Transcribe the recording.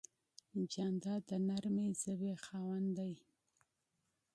جانداد د نرمې ژبې خاوند دی.